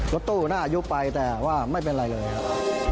รถตู้น่าอายุไปแต่ว่าไม่เป็นไรเลยครับ